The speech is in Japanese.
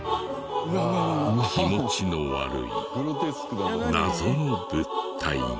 気持ちの悪い謎の物体が。